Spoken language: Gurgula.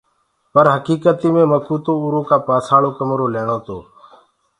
پر هڪيڪتي مي مڪوُ تو اُرو ڪآ پآسآݪو ڪسمو ليڻتو۔